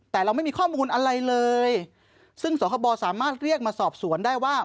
แต่เราไม่มีข้อมูลอะไรเลยซึ่งสคบสามารถเรียกมาสอบสวนได้ว่า